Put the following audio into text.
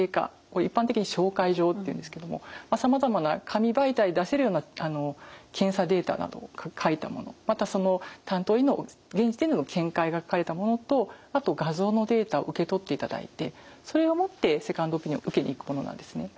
一般的に紹介状っていうんですけどもさまざまな紙媒体で出せるような検査データなどを書いたものまたその担当医の現時点での見解が書かれたものとあと画像のデータを受け取っていただいてそれを持ってセカンドオピニオン受けに行くものなんですね。